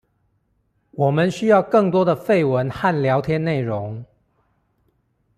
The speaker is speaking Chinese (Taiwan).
我們需要更多的廢文和聊天內容